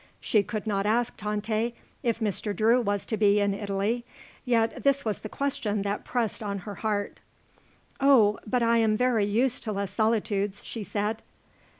She could not ask Tante if Mr. Drew was to be in Italy; yet this was the question that pressed on her heart. "Oh, but I am very used to Les Solitudes," she said.